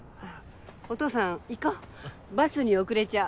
お父さん行こうバスに遅れちゃう。